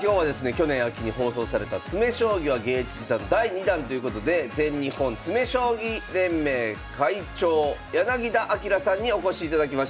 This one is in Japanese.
去年秋に放送された「詰将棋は芸術だ！」の第２弾ということで全日本詰将棋連盟会長柳田明さんにお越しいただきました。